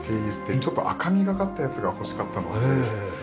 ちょっと赤みがかったやつが欲しかったので。